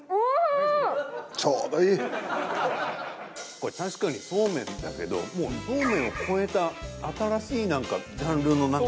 これ確かにそうめんだけどもうそうめんを超えた新しいジャンルの料理じゃない？